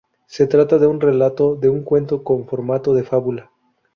Se trata de un relato, de un cuento, con formato de fábula.